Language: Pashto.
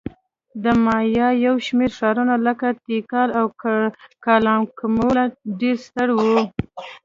د مایا یو شمېر ښارونه لکه تیکال او کالاکمول ډېر ستر وو